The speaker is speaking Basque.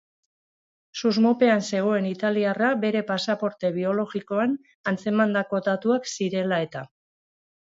Susmopean zegoen italiarra bere pasaporte biologikoan antzemandako datuak zirela eta.